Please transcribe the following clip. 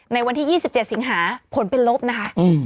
ในวันที่๒๗สิงหาผลเป็นลบนะคะ